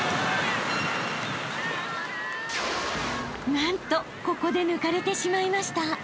［なんとここで抜かれてしまいました］